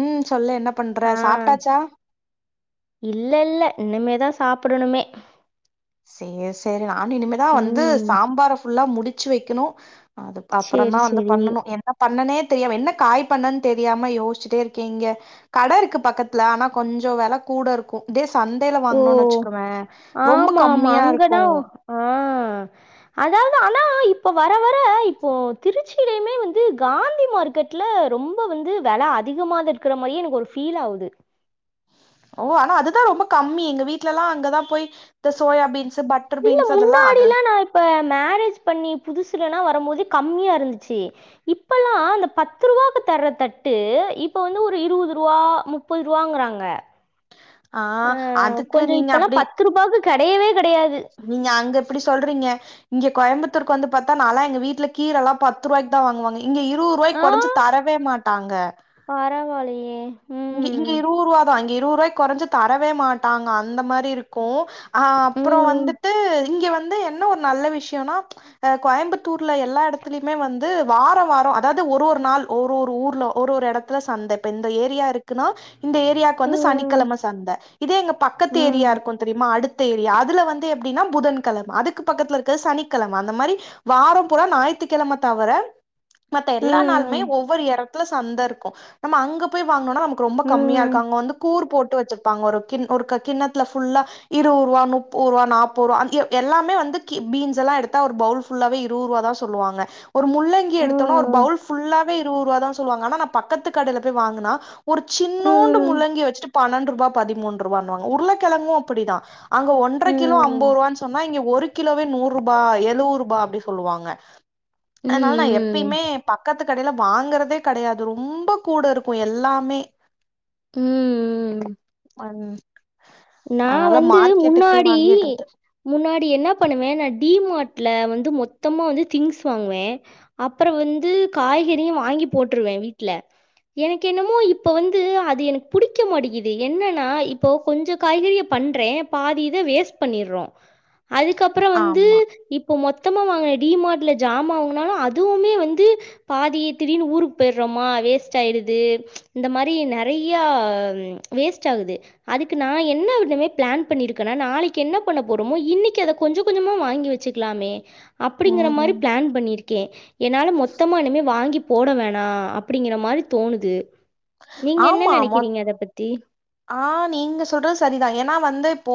உம் சொல்லு என்ன பண்ற சாப்ட்டாச்சா இல்லே இல்லே இனிமேத சாப்புடணுமே சேர் சேர் நா இனிமேதா வந்து சாம்பார ஃபுல்லா முடித் வச்சு வைக்கணு அதுக் சரி, அப்புறதா வந்து சரி. பண்ணணு என்ன பண்ணனே தெரியாமே என்ன காய் பண்ணணு தெரியாம யோசிச்சிட்டே இருக்கேங்க கட இருக்கு பக்கத்துல ஆனா கொஞ்ச வெல கூட இருக்கு தேஸ் சந்தையில வாங்கணுனு வச்சுக்கவே ரொம்ப மா ஆமா கம்மியா இருக்கு அங்கதா ஆஹ் அதாவது ஆனா இப்ப வர வர இப்போ திருச்சிலயுமே வந்து காந்தி மார்க்கெட்ல ரொம்ப வந்து வெல அதிகமாக இருக்கிற மாரியே எனக்கு ஒரு ஃபீல் ஆகுது ஓ ஆனா அதுதா ரொம்ப கம்மி எங்க வீட்டு்லல்லா அங்கத போய் இந்த சோயாபீன்ஸ் பட் இல்ல முன்னாடில்லா நா இப்ப மேரேஜ் பண்ணி புதுசு இங்கேனா வரம்போது கம்மியா இருந்துச்சு இப்பல்லா அந்த பத்து ரூபாக்கு தர்ற தட்டு இப்ப வந்து ஒரு இருபது ரூபா முப்பது ரூபாங்கறாங்க ஆ ஆஹ் அதுக்கு கொஞ்ச நீங்க இப்பெல்லா அப்டி பத்து ரூபாக்கு கிடையவே நீங்க அங்க இப்புடி சொல்றீங்க இங்க கோயம்புத்தூருக்கு வந்து பத்தா நா ல்லா எங்க வீட்ல கீரெல்லா பத்து ரூபாய்கிதா வாங்குவங்க இங்க ஆ இருவுரூவாய்க்கி கொறஞ்சு தரவே மாட்டாங்க பரவாயில்லையே இங்கே இங்கே ம் இருவது ரூபாத இங்கே இருவது ரூவாய்க்குறைஞ்சு தரவே மாட்டாங்க அந்த மாரி இருக்கு அஹ் அப்புற ம் வந்துட்டு இங்க வந் வந்து என்ன ஒரு நல்ல விஷயம்னா அ கோயம்புத்தூர்ல எல்லா இடத்துலயுமே வந்து வார வார அதாது ஒரு ஒரு நாள் ஒரு ஒரு ஊர்ல ஒரு ஒரு இடத்துல சந்தை இப்ப இந்த ஏரியா இருக்குனா இந்த ஏரியாக்கு வந்து ம் சனிக்கிழம சந்தை இதே எங்க பக்கத்து ஏரியா ம் இருக்கு தெரியுமா அடுத் த ஏரியா அதுல வந்து எப்புடினா புதன்கிழமே அதுக்கு பக்கத்துல இருக்கற சனிக்கிழமே அந்த மாரி வார பூறா ஞாயித்துகிழமே தவிர மத்த ம் ம் எல்லா நாளுமே ஒவ்வொரு எட துல சந்த இருக்கு நம்ம அங்க போய் வாங் னோனா நமக்கு ரொம்ப கம்மியா இருக்கு ம் அங்க வந்து கூர் போட் டு வச்சிருப்பாங்க ஒரு கிண் ஒரு க கிண்ணத்துல ஃபுல்லா இரு ஒருவா முப்போரூவா நாப்போருவா அ எல்லாமே வந்து கி பீன்ஸ் எல்லா எடுத்தா ஒரு பவுல் ஃபுல்லாவே இருவது ருவாதா சொல்லுவாங்க ஒரு முள்ளங்கி எடுத்தோனா ஒரு ம் பவுல் ஃபுல்லா து இருவதுரூவாதா சொல்லுவாங்க ஆனா நா பக்கத்து கடையில போய் வாங்குனா ஒரு சின்னோண்டு முள்ளங்கி வச்சுட்டு பன்னெண்டு ரபா பதிமூண் ருவின்னுவாங்க உருளகெழங்கு அப்புடிதா அங்க ஒன்ற கிலோ அம்போது ம் ருவானு சொன்னா இங்க ஒரு கிலோவே நூறு ரூபா எழுவ ரூபா அப்புடி சொல்லுவாங்க அதனால நா ம் எப்பயுமே பக்கத்துக் கடையில வாங்கறதே கெடையாது ரொம்ப கூட இருக்கு எல்லா மே உம் உம் உ அன் நா வந்து முன்னாடி வாங்கிட்றது. முன்னாடி என்ன பண்ணுவே நா டி மார்ட்ல வந் து மொத்தமா வந்து திங்ஸ்வாங்குவே அப்புறொ வந்து காய்கறியு வாங்கி போட்ருவே வீட்ல எனக்கு என்னமோ இப்ப வந்து அது எனக்கு புடிக்க மாட்டேக்குது என்னன்னா இப்போ கொஞ்சொ காய்கறிய பண்றே பாதி இத வேஸ்ட் பண்ணிட்றோ அதுக்கப்புறோ வந்து ஆமா. இப்போ மொத்தமா வா நா டிமார்ட்ல ஜாமா வாங்குணாலு அதுவுமே வந்து பாதி திடீர்னு ஊருக்கு போயிடுறோமா வேஸ்ட் ஆயிடுது இந்த மாரி நெறையா வேஸ்ட் ஆகுது அதுக்கு நா என்னா இனிமே பிளான் பண்ணிருக்கேனா நாளைக்கு என்ன பண்ண போறோமோ இன்னைக்கு அத கொஞ்சொ கொஞ்சமா வாங்கி வச்சுக்கலாமே அப்டிங்கிற மாரி ம். பிளான் பண்ணியிருக்கு கே என்னால மொத்தமா இனிமே வாங்கி போட வேணா அப்டிங்கற மாரி தோணுது நீங்க என்ன நெனைக்கிறீங்க அத பத்தி ஆஹ் நீங்க சொல்றது சரிதா ஏன்னா வந்து இப்போ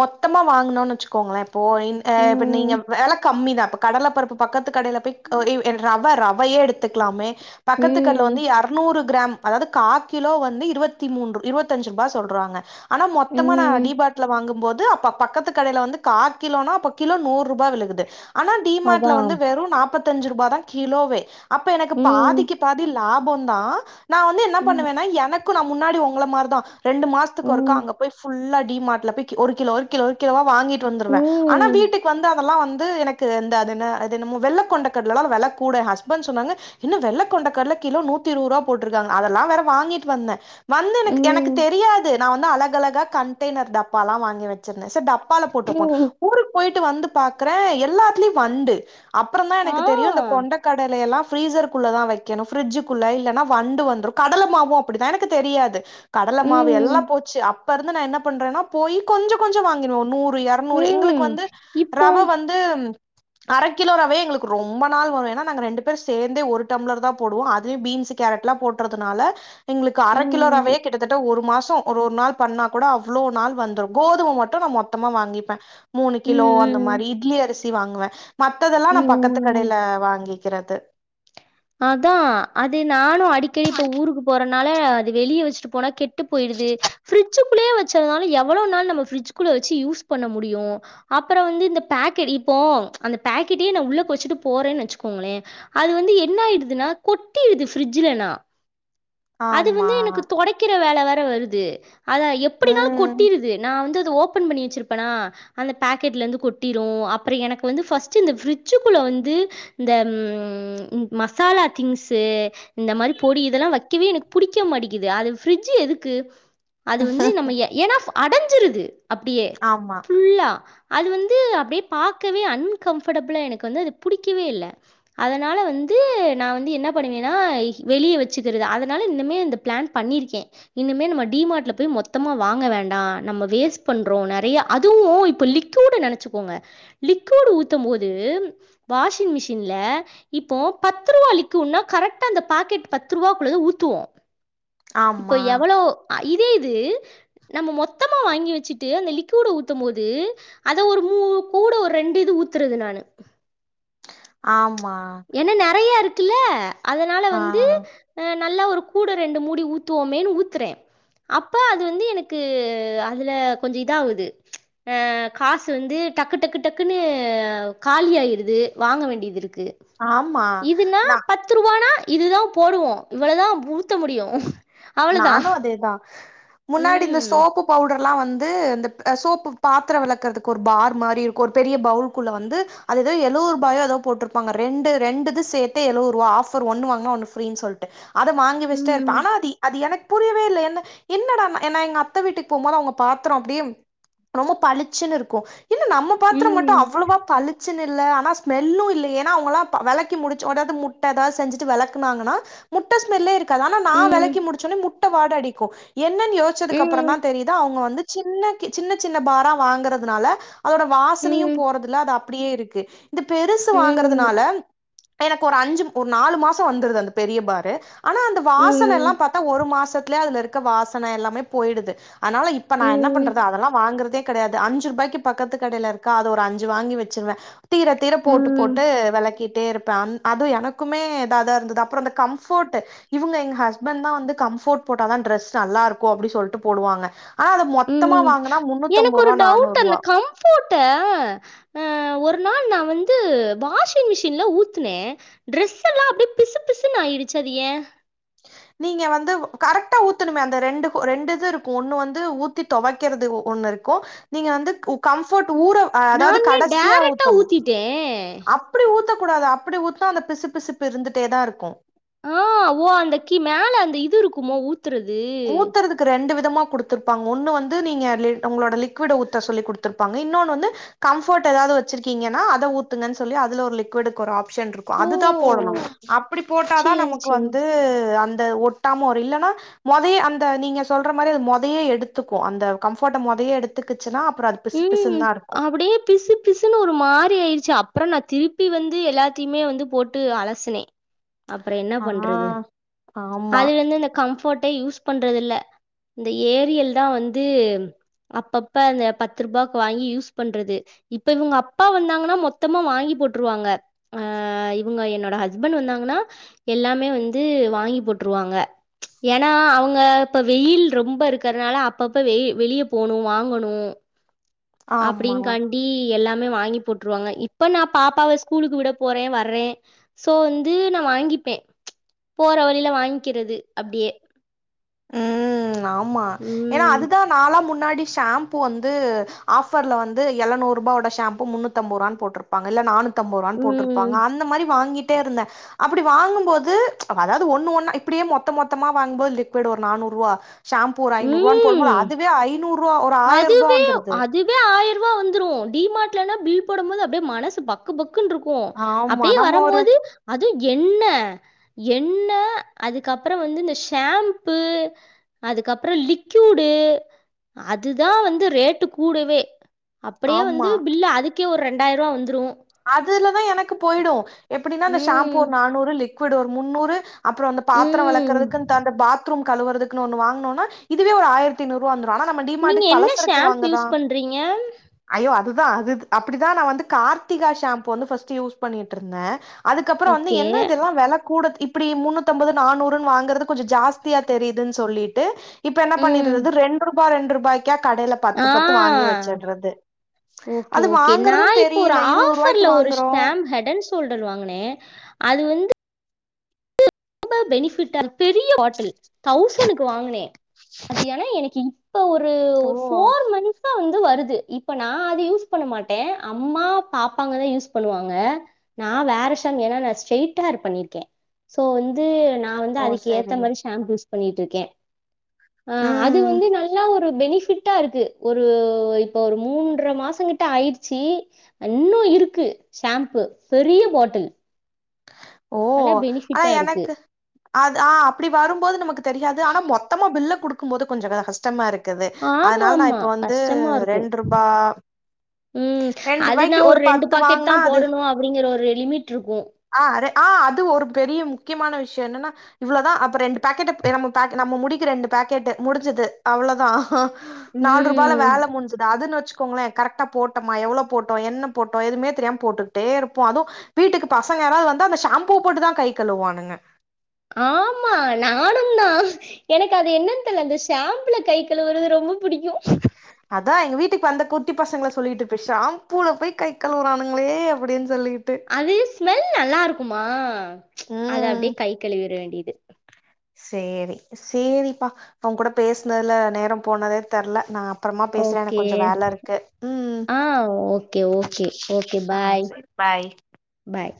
மொத்தமா வாங்கணுனு வச்சுக்கோங்களே போ இன் ஆ இப்ப ம் நீங்க வேல கம்மி தா இப்ப கடல பருப்பு பக்கத்து கடையில போய் சு இவ் ரவ ரவையே எடுத்துக்கலாமே பக்கத்து கடையில ம் வந்து எறுநூறு கிராம் அதாவது கா கிலோ வந்து இருவத்தி மூன்று இருவத் தஞ்சு ரூபா சொல்றாங்க ஆனா மொத்தமா நா ம் டி மார்ட்ல வாங்கும் போ து அப்ப பக்கத்து கடையில வந்து கா கிலோனா அப்ப கிலோ நூறு ரூபா விலுகுது ஆனா டி அதா மார்ட்ல வந்து வெறு நாபத் தஞ்சு ரூபா தா கிலோவே அப்ப எனக்கு ம் பாதிக்கு பாதி லா போ தா நா வந்து என்ன ம் பண்ணுவேன்னா எனக் கு நா முன்னாடி உங்கள மார் தா ரெண்டு மாசத்துக்கு ஒருக்கா ம் அங்க போய் ஃபுல்லா டி மார்ட்ல போய் கி ஒரு கிலோ ஒரு கிலோ ஒரு கிலோவா வாங்கிட் டு வந்துருவ ஆனா ம், வீட்டுக்கு வந்து அதல்லா வந் து எனக்கு அந்த அது என்ன அது என்னமோ வெள்ள கொண்ட கட்ல லா வெல கூட ஹஸ்பண்ட் சொன்னாங்க இன்னு வெள்ள கொண்ட கட்ல கிலோ நூத்தி இருவருவா போட்டுருக்காங்க அதல்லா வேற வாங்கிட்டு வந்த வந்து எனக்கு எனக்கு ம், தெரியாது நா வந்து அலக அலகா கன்டேய்னர் டப்பாலா வாங்கி வெச்சிருந்த சரி டப் பால போட்டுப்போ ம். ஊருக்கு போயிட்டு வந்து பாக்கற எல்லாத் துலயு வண்டு அப்புறோ தா ஆ, எனக் தெரியு இந்த கொண்ட கடலையேல்லா ஃப்ரீசர்குள்ள தா வைக்கணு ஃபிரிட்ஜுக்குள்ள இல்லன்னா வண்டு வந்துடு கடலமாவு அப்டிதா எனக்கு தெரியாது கடல மாவு எல்லா ம், போச்சு அ அப்பெருந்து நான் என்ன பண்றேன்னா போய் கொஞ்ச கொஞ்ச வாங்கினொம் நூற் எரநூறு எங்களுக்கு ம். வந்து இப்போ ரவ வந்து அரக்கிலோ ரவயே எங்களுக்கு ரொம்ப நாள் வரு ஏனா நாங்க ரெண்டு பேர் சேந்தே ஒரு டம்ளர் தான் போடுவோம் அதுலயும் பீன்ஸ் கேரட் எலாம் போட்டுறதுனால எங்களுக்கு அர ம், கிலோ ரவையே கரெட்ட ஒரு மாசோ ஒருஒரு நாள் பண்ணா கூட அவ்ளோ நாள் வந்துடும் கோதும மட்டும் நான் மொத்தமா வாங்கிப்பேன் மூணு கிலோ அந்த மாதிரி ம், இட்லி அரிசி சி வாங்குவேன் மத்ததெல்லாம் ம், நா பக்கத்து ம். கடைல வாங்கி க்கிறது அதான் அது நானு அடிக்கடி இப்ப ஊருக்கு போறேன் னால அது வெளிய வெச்சுட்டு போனா கெட் ட்டு போயிடுது ஃபிரிட்ஜ் ச்சுக்குள்ளே வச்சதனால எவ்வளோ நாள் நம்ம ஃப்ரிட்ஜ்குள்ள வச்சு யூஸ் பண்ண முடியு அப்பற வந்து இந்தப்பாக்கெட் இப்போ அந்தப்பாக்கெட்டே ந உள்ளுக்க வச்சுட்டு போறே வச்சுக்கோங்களே அது வந்து என்னாயிடுதுனா கொட்டிருது ஃப்ரிஜ்லனா அது ஆமா வந்து எனக்கு தொடைக்கிற வேல வேற தா வருது அத எப்படினாலு ம் கொட்டிருது நா வந்து ஓப்பன் பண்ணி வச்சிருப்பனா அந்த பாக்கெட்லருந்து கொட்டிடும் அப்ற எனக் வந்து ஃபர்ஸ்ட்டிந்த ஃப்ரிஜிக்குள்ள வந்து இந்த ம் மசாலா திங்க்ஸு இந்த மாரி பொடி இதெலா வக்கவே எனக் புடிக்க மாட்டிக்குது அது ஃப்ரிட்ஜி எதுக்கு அது வந்து நம்ம எ ஏணா அடஞ்சிருது அப்டியே ஆமா புல்லா அதுவந்து அப்டியே பாக்கவே அன்கம்ஃபர்டப்ளா எனக் வந்து அது புடிக்கவேயில்லை அதனால வந்த் ந்து நா வந்து என்ன பண்ணுவேனா வெளியே வெச்சுகிறது அதனால இன்னமே அந்த பிளான் பண்ணிர்க்கேன் இன்னிமே நம்ம டிமார்ட்ல போய் மொத்தமா வாங்க வேண்டா நம்ம வேஸ்ட் பண்றோ நெறையா அதுவும் இப்பொ லிக்யூடு நெனச்சிகோங்க லிக்யூடு ஊத்தும் போது வாஷிம்மிஷின்ல இப்போ பத்துருவா லிக்யூட்னா கரெக்டா அந்த பாக்கெட் பத்ருவாகுள்ளத ஊத்துவோ இப்ப ஆமா எவ்வளோ ஐ இதேஇது நம்ம மொத்தமா வாங்கி வச்சுட்டு அந்த லிக்கூடு ஊத்து போது அத ஒரு மூ கூட ஒர்ரெண்டு இது ஊத்துறது நானு ஆம் என்ன நெறையருக் க்குல அதனால வந்து ஆ ஆ நல்லா ஒரு கூட ரெண்டு மூடி ஊத்துவோமேனு ஊத்தறே அப்ப அது வந்து எனக்கு அதுல கொஞ்ச இதாவுது ஆஹ் காசு வந்து டக்கு டக்கு டக்குன்னு காலியாயிடுது வாங்க வேண்டிதிருக்கு ஆமா இதுனா நா பத்து ரூபானா இதுதா போடுவோம் இவ்ள தா ஊத்த முடியும் அவ்வளதான். நானு அதே தா முன்னாடி இந்த ம். சோப்பு பவு டர்லா வந்து இந்த அ சோப்பு பாத்தரம் வெளக்கறதுக்கு ஒரு பார் மாரி இருக்கு ஒரு பெரிய பவுல்க்குள்ள வந்து அது ஏதோ எழுவது ரூபாயோ ஏதோ போட்டிருப்பாங்க ரெண்டு ரெண்டு இது சேத்தே எழுவது ரூபா ஆபர் ஒண்ணு வாங்னா ஒண்ணு பிரீனு சொல்ட்டு அத வாங்கி வச்சிட்டே இருப்பன் ம். ஆனா அதி அது எனக்கு புரியவே இல்ல என்ன என்னடா நா எங்க அத்த வீட்டுக்கு போம் போது அவங்க பாத்தறம் அப்டியே ரொம்ப பளிச்சுன்னு இருக்கும் என்ன நம்ம பாத்தரம் மட்டு ம். அவ்ளவா பளி பளிச்சுனு இல்ல ஆனா ஸ்மெல்லு இல்ல ஏன்னா அவங்கல்லா வெளக்கி முடிச்ச ஓட அதாது முட்ட ஏதாது செஞ்சிட்டு விளக்கனாங்கன்னா முட்ட ஸ்மெல்லே இருக் அதல்லா நா வெளக்கி ம். முடி முட்ட வாட அடிக்கு என்னன்னு யோசச்சதுக்கு அப்பறம் ம். தா தெரியுது அவங்க வந்து சின்ன கி சின்ன சின்ன பாரா வாங்கறதுனால அதோட வாசனையும் ம். போறதுல்ல அது அப்டியே இருக்கு இந்த பெருசு ம். வாங்கறதுனால எனக்கு ஒரு அஞ்சு ஒரு நாலு மாசம் வந்துருது அந்த பெரிய பாரு ஆனா அந்த வாசன எல்லா ம். பத் மாசத்தலயே அதுல இருக்க வாசன எல்லாமே போயிடுது அனால இப்ப நா என்ன ம். பண்றது அதெல்லாம் வாங்குறதே கடையாது அஞ்சு ரூபாய்க்கு பக்கத்து கடைல இருக்கா அது ஒரு அஞ்சு வாங்கி வச்சுருவேன் தீர தீர போட்டு ம். போட்டு வெலக்கி கிட்டே இருப்பேன் அது எனக்குமே இதா தா இருந்தது அப்பறம் அந்த கம்பர்ட் இவங்க எங்க ஹஸ்பண்ட் தா வந் வந்து கம்ஃபர்ட் போட்ட தா டிரஸ் நல்லா இருக்கும் அப்டி சொல்ட்டு போடுவாங்க ஆனா அத மொத்தமா உம் வாங்குனா எனக்கு முன்னூத்தம்பது ஒரு ரூபா டவுட் நானூறு ரூபா அந்த கம்ஃபர்ட ஒரு ஒரு நாள் நா வந்து வாஷிங் மிஷின்ல ஊத்தனேன் ட்ரெஸ் எல்லா அப்படியே பிசுபிசுன்னு ஆயிடுச்சு அது ஏன் நீங்க வந்து கரெக்டா ஊத்தணுமே அந்த ரெண்டு ரெண்டு இது இருக்கு ஒன்னு வந்து ஊத்தி தொவைக்கறது ஒண்ணு இருக்கும் நீங்க வந்து கம்பர்ட் நாங்களே டேரக்டா ஊத்திட்டே அப்டி ஊத்த கூடாது அப்டி ஊத்னா அந்த பிசு பிசுப்பு இருந்துட்டே தா இருக்கும் ஆஹ் ஓ அந்த கி மேல அந்த இது து இருக்குமோ ஊ த்துறது சும்மா கொடுத்துருப்பாங்க ஒன்னு வந்து நீங்க லி ஒங்களோட லிக்விட ஊத்த சொல்லி கொடுத்துருப்பாங்க இன்னோன்னு வந்து கம்ஃபோர்ட்டு எதாது வெச்சிருக்கீங்கன்னா அத ஊத்துங்கன் சொல்லி அதுல லிக்விடுக்கு ஒரு ஆப் ஷன்ருக்கோ ஓ! அதுதா போடணு அப்டி போட்ட தா சரி, நமக்கு சரி. வந்து அந் து ஒட்டாம வரு இல்லன்னா மொதையே அந்த நீங்க சொல்ற மாரி அது மொதையே எடுத்துக்கோ அந்த கம்ஃபோர்ட்ட மொதையே எடுத்துக்குச்சின்னா ம் அப்படியே பிசு பிசுன்னு ஒரு மாரி ஆயிடிச் சா அப்புறோ நா திருப்பி வந்து எல்லாத்தையுமே வந்து போட்டு அலசுனே அப்புற என்ன ஆ பண்றது ஆமா அதுல வந்து இந்த கம்ஃபர்ட் ட யூஸ் பண்றதில்ல இந்த ஏரியல் தா வந்து அப்பப்ப அந்த பத் த்ருபாக்கு வாங்கி யூஸ் பண்றது இப்ப இவங்க அப்பா வந்தாங்கன்னா மொத்தமா வாங்கி போட்டுருவாங்க அஹ் இவங்க என்னோட ஹஸ்பண்ட் வந்தாங்கன்னா எல்லாமே வந்து வாங்கி போட்டுருவாங்க ஏன்னா அவுங்க இப்ப வெயில் ரொம்ப இருக்குறதுனால அப்பப்ப வெ வெளியே போணு வாங்கணு ஆமா அப்டிங்காண்டி எல்லாம் மே வாங்கி போட்டுருவாங்க இப்ப நா பாப்பாவ ஸ்கூலுக்கு விட போறே வர்றே சோ வந்து நா வாங்கிப்பே போற வழில வாங்க்கிறது அப்டியே ம் ஆமா ஏன்னா ம் அதுதா நாளா முன் முன்னாடி ஷாம்பு வந்து ஆஃபர்ல வந்து எலநூருபாவோட ஷாம்பு முன்னூத்தம்ருவா போட்டுருப்பாங்க இல்ல நானூத் தம்பருவான் போட்டுருப்பாங்க ம் அந்த மாதிரி வாங்கிட் டேருந்த அப்டி வாங்கும்போது அதாவது ஒண்ணு ஒன்னா இப்படியே மொத்த மொத்தமா வாங்கும்போது லிட் போய்டோ ஒரு நானூருவா ஷம்பூ ஒரு ஐநூருவான் போடும்போது அதுவே ஐநூருவா அதுவே அதுவே ஆயிருபா வந்துரு டி மார்ட்ல லா பில் போடும்போதே அப்டியே மனசு பக்கு பக் குன்ருக்கோ‌ ஆமா அப்டியே நம்ம ஒரு வரம்மோது அதுவு எண்ண எண்ண அதுக்கப்புறோ வந்து இந்த ஷாம்பு அதுக்கப்புறோ லிக்யூடு அதுதா வந்து ரேட்டு கூடவே அப்டியே வந்து ஆமா பில்லா அதுக் கே ஒரு ரெண்டாயிருவா வந்துரு அதுலதா எனக்கு போயிடு எப்டினா இந்த ஷாம்பூ ம், ஒரு நானூறு லிக் க்யூடு ஒரு முன்னூறு அப்றம் அந்த பாத்திர ம். வெளக்கறதுக்கு அந்த பாத்ரூம் கழுவறதுக்கு ஒன்னு வாங்குனோ இதுவே ஒரு ஆயிரத்து நூறுவா வந்த நீங்க என்ன ஷாம்பு யூஸ் பண்றீங்க ஐயோ அதுதா அது அப்டிதா நா வந்து கார் திக்கா ஷாம்ப் வந்து ஃபஸ்ட் யூஸ் பண்ணிட்ருந்தே அதுக்கப்ற வந்து ஓகே. என்ன இதெல்லா வெல கூட இப்டி முன்னூத்தம்பது நானூறுனு வாங்குறது கொஞ்சோ ஜாஸ்தியா தெரியுதுனு சொல்லிட்டு இப்ப என்ன ம். பண்ணிடுறது ரெண்டு ரூபா ரெண்டு ரூப் க்யா கடய்ல பத்து ஆ. பத்து வாங்கி வச்சுடுறது ஓகே, அது ஓகே. வாங்குறது நான் இப்போ ஒரு தெரியல இருவது ரூவாய்க்கு ஆஃபர்ல ஒரு வாங்குறோ ஸ்டாம்ப் ஹெடன்ஸ் ஸோல்டர் வாங்கினே அது வந்து ரொம்ப பெனிஃபிட்டா பெரிய பாட்டில் தௌசனுக்கு வாங்கனே அது ஏனா எனக்கு இங் ஓ து வருது இப்ப நா அது யூஸ் பண்ண மாட்டே அம்மா பாப்பாங்கதா யூஸ் பண்ணுவாங்க நா வேற ஷாம்ப் ஏனா நா ஸ்ட்ரைட் ஹேர் பண்ணிருக்கே இப்போ வந் து நா வந்து ஓ அதுக்கு ஏத்த சரி மாரி ஷாம்பூஸ் பண்ணிட்ருக்கே ஆ அது ம் வந்து நல்லா ஒரு பெனிஃபிட்டா இருக்கு ஒரு இப்ப ஒரு மூன்றர மாசோ கிட்ட ஆயிடுச்சி இன்னு இருக்கு ஷாம்பு பெரிய பாட்டில் ஓ நல்லா ஆனா பெனிஃபிட்டா இருக்கு எனக்கு அது ஆ அபடி வரும்போது நமக்கு தெரியாது ஆனா மொத்தமா பில்ல குடுக்குபோது கொஞ்சோ க கஷ்டமா இருக் ஆமாமா கஷ்டமா இருக்கு ரெண்டு ரூபா ம் ரெண்டு அதுனா ரூபாய்க்கு ஒரு ரெண்டு பத்து பாக்கெட்தா வாங்குனா அது போடணு அப்டிங்கற ஒரு லிமிட்ருக்கு அரு ஆ அது ஒரு பெரிய முக்கியமான விஷய என்னன்னா இவ்வளதா அப்ப ரெண்டு பாக்கெட் அப் எ நம்ம பாக் நம்ம முடி க்கு ரெண்டு பேக்கெட்டு முடிஞ்சது அவ்வளோதா நாலு ரூபால ம். வேல முடிஞ்சது அதுன்னு வச்சு கோங்களே கரெக்டா போட்டோமா எவ்வளோ போட்டோ என்ன போட்டோ எதுவுமே தெரியாம போட்டுக்கிட்டே இருப்போ அதுவு வீட்டுக்கு பச் பசங்க யாராவது வந்தா அந்த ஷாம்பூ போட்டு தா கை கழுவுவானுங்க ஆமா நானு தா எனக்கு அது என்னன்னு தெரில அந்த ஷாம்புள கை கழுவுறது ரொம்ப பிடிக்கு அதா எங்க வீட்டுக்கு வந்த குட்டி பசங்கள சொல்லிட்டு இருப்பே ஷாம்பூல போய் கை கழுவுரானுங்களே அப்படின் அது ஸ்மெல் நல்லா இருக் குமா அது ம் அப்டியே கை கழுவிர வேண்டியது சேரி சேரிப்பா ஓ கூட பேசுனதுல நேர போனதே தெர்ல நா அப்புறமா பேசுறே எனக்கு ஓகே கொஞ்சோ வேல இருக்கு ம் ஆ ஓகே ஓகே ஓகே ஆ பாய் சேரி பாய் பாய்